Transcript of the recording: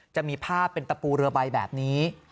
จะมีภาพเป็นตะปูเรือใบแบบนี้